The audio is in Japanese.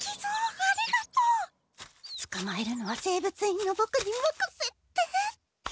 つかまえるのは生物委員のボクにまかせて。